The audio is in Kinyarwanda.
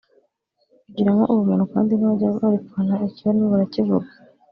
bigiramo ubumuntu kandi ntibajya baripfana ikibarimo barakivuga